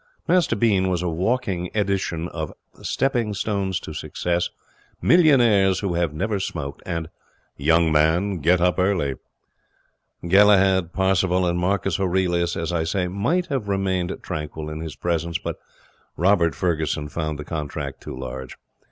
Master Bean was a walking edition of Stepping Stones to Success, Millionaires who Have Never Smoked, and Young Man, Get up Early. Galahad, Parsifal, and Marcus Aurelius, as I say, might have remained tranquil in his presence, but Robert Ferguson found the contract too large.